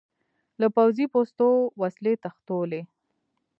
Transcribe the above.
له پوځي پوستو وسلې تښتولې.